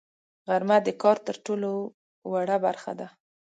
غرمه د کار تر ټولو وروه برخه ده